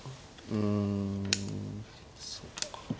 うんそっか。